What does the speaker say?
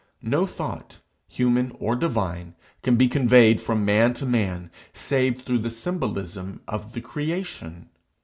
No thought, human or divine, can be conveyed from man to man save through the symbolism of the creation.